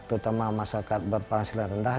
terutama masyarakat berpenghasilan rendah